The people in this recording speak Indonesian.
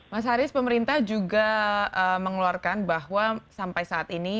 mas haris pemerintah juga mengeluarkan bahwa sampai saat ini